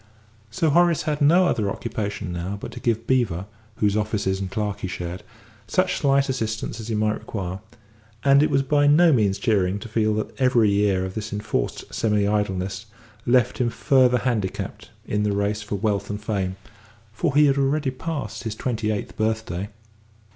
So Horace had no other occupation now but to give Beevor, whose offices and clerk he shared, such slight assistance as he might require, and it was by no means cheering to feel that every year of this enforced semi idleness left him further handicapped in the race for wealth and fame, for he had already passed his twenty eighth birthday.